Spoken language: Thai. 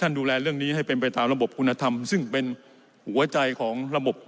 ดูแลเรื่องนี้ให้เป็นไปตามระบบคุณธรรมซึ่งเป็นหัวใจของระบบ